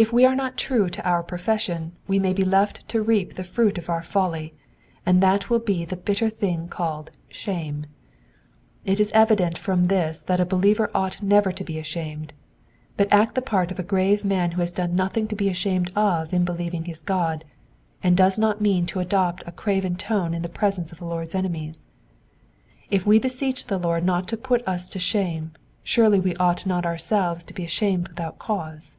If we are not true to our profession we may be left to reap the fruit of our folly, and that will be the bitter thing called shame." It is evident from this that a believer ought never to be ashamed, but act the part of a grave man who has done nothing to be ashamed of in believing his God, and does not mean to adopt a craven tone in the presence of the Lord's enemies. If we beseech the Lord not to put us ^o shame, surely we ought not ourselves to be ashamed without cause.